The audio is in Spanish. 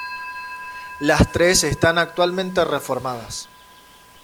Las tres están actualmente reformadas.